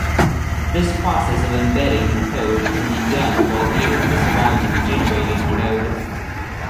This process of embedding code can be done while viewing the surrounding generated code.